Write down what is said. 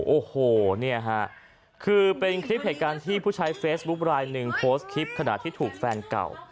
โอ้โหเนี่ยฮะคือเป็นคลิปเหตุการณ์ที่ผู้ใช้เฟซบุ๊คลายหนึ่งโพสต์คลิปขณะที่ถูกแฟนเก่า